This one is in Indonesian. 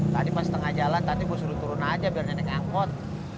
tadi pas tengah jalan tadi gue suruh turun aja biar naik angkot